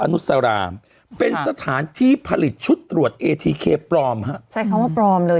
นุสรามเป็นสถานที่ผลิตชุดตรวจเอทีเคปลอมฮะใช้คำว่าปลอมเลย